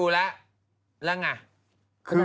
แล้วไง